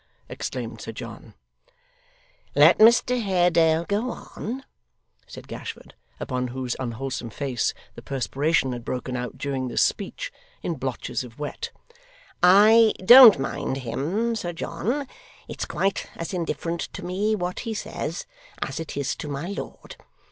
exclaimed Sir John. 'Let Mr Haredale go on,' said Gashford, upon whose unwholesome face the perspiration had broken out during this speech, in blotches of wet; 'I don't mind him, Sir John; it's quite as indifferent to me what he says, as it is to my lord.